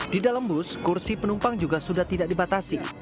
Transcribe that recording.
di dalam bus kursi penumpang juga sudah tidak dibatasi